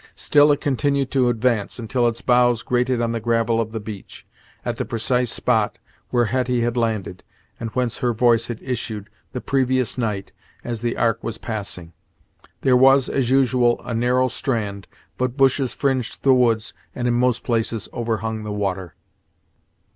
Still it continued to advance, until its bows grated on the gravel of the beach, at the precise spot where Hetty had landed, and whence her voice had issued, the previous night, as the ark was passing. There was, as usual, a narrow strand, but bushes fringed the woods, and in most places overhung the water.